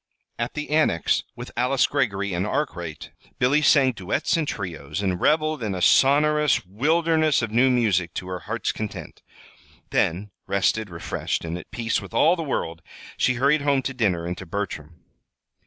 At the Annex, with Alice Greggory and Arkwright, Billy sang duets and trios, and reveled in a sonorous wilderness of new music to her heart's content. Then, rested, refreshed, and at peace with all the world, she hurried home to dinner and to Bertram.